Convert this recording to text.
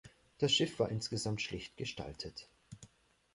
Das Schiff war insgesamt schlicht gestaltet.